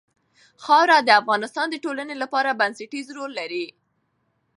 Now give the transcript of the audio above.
خاوره د افغانستان د ټولنې لپاره بنسټيز رول لري.